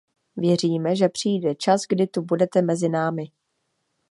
Věříme, že přijde čas, kdy tu budete mezi námi.